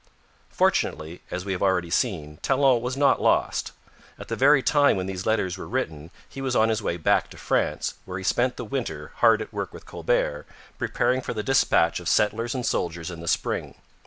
Fortunately, as we have already seen, Talon was not lost. At the very time when these letters were written he was on his way back to France, where he spent the winter hard at work with Colbert preparing for the dispatch of settlers and soldiers in the spring.